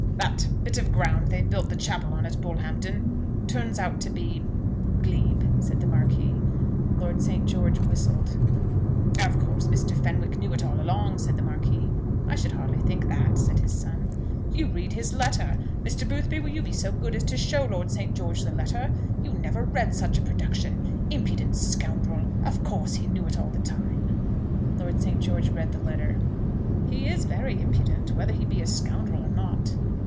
"That bit of ground they've built the chapel on at Bullhampton, turns out to be glebe," said the Marquis. Lord St. George whistled. "Of course, Mr. Fenwick knew it all along," said the Marquis. "I should hardly think that," said his son. "You read his letter. Mr. Boothby, will you be so good as to show Lord St. George the letter? You never read such a production. Impudent scoundrel! Of course he knew it all the time." Lord St. George read the letter. "He is very impudent, whether he be a scoundrel or not."